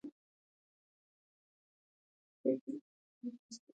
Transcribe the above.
باران د افغانستان د ملي هویت نښه ده.